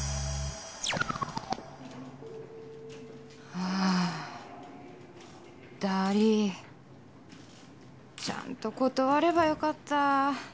あダリぃ。ちゃんと断ればよかった。